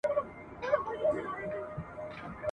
ھره ورځپاڼه مې په واړه دقت ولوستله